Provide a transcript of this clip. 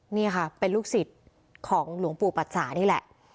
นี่ค่ะเป็นลูกศิษย์ของหลวงปู่ปัจสานี่แหละ